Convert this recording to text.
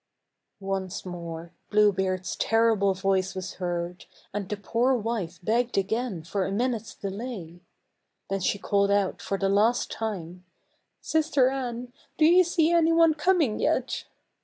Once more Blue Beard's terrible voice was heard, and the poor wife begged again for a minute's delay. Then she called out for the last time, " Sister Anne, do you see any one coming yet